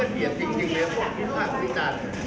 ถ้าเกียรติจริงแล้วพวกมุมฮาดมุมฮาด